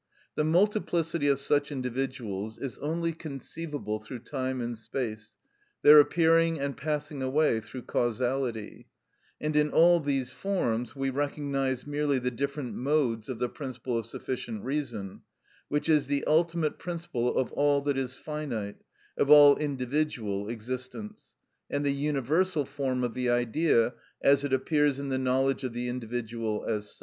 The multiplicity of such individuals is only conceivable through time and space, their appearing and passing away through causality, and in all these forms we recognise merely the different modes of the principle of sufficient reason, which is the ultimate principle of all that is finite, of all individual existence, and the universal form of the idea as it appears in the knowledge of the individual as such.